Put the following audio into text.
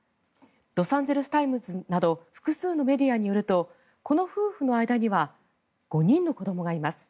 ロサンゼルス・タイムズなど複数のメディアによるとこの夫婦の間には５人の子どもがいます。